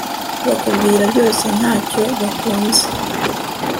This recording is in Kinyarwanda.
bakubwira byose nta cyo bakunze